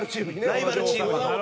ライバルチームの。